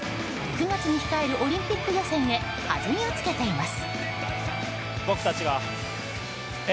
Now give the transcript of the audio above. ９月に控えるオリンピック予選へ弾みをつけています。